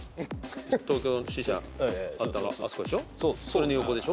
東京の支社あったあそこでしょ？